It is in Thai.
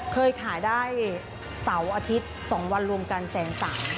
เคยถ่ายได้เสาร์อาทิตย์๒วันรวมกันแสนสาม